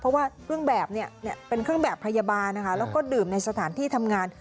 เพราะว่าเครื่องแบบเนี่ยเป็นเครื่องแบบพยาบาลนะคะแล้วก็ดื่มในสถานที่ทำงาน